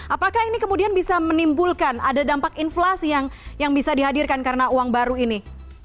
apakah ini kemudian bisa menimbulkan ada dampak inflasi yang bisa dihadirkan karena uang baru ini